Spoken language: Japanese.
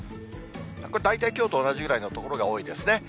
大体きょうと同じぐらいの所が多いですね。